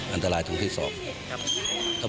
อันตรายถึงที่สอง